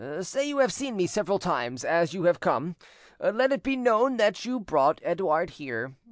Say you have seen me several times; as you have come, let it be known that you brought Edouard here.